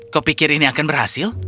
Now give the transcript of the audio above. kau pikir ini akan berhasil